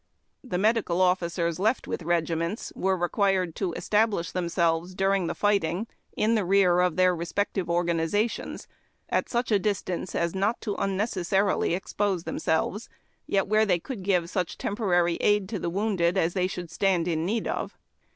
The medical officers left with regiments were required to establish themselves during the fighting in the rear of their respective organizations, at such a distance as not to unnec essarily expose themselves, where they coald give such temporary aid to the wounded as they should stand in need of.